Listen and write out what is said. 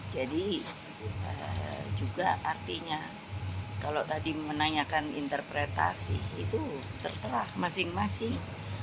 jadi juga artinya kalau tadi menanyakan interpretasi itu terserah masing masing